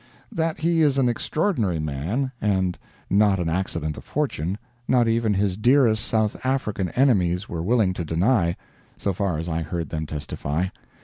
That he is an extraordinary man, and not an accident of fortune, not even his dearest South African enemies were willing to deny, so far as I heard them testify.